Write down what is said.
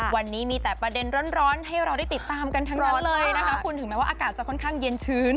วันนี้มีแต่ประเด็นร้อนให้เราได้ติดตามกันทั้งนั้นเลยนะคะคุณถึงแม้ว่าอากาศจะค่อนข้างเย็นชื้น